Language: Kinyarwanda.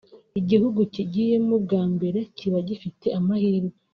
Igihugu kigiyemo bwa mbere kiba gifite amahirwe